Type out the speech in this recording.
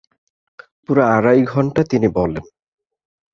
পুরা আড়াই ঘণ্টা তিনি বলেন।